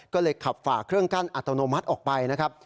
ก็เลยขับฝ่าเครื่องกั้นอัตโนมัติออกไปนะครับ